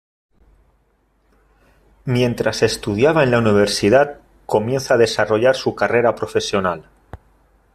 Mientras estudiaba en la Universidad, comienza a desarrollar su carrera profesional.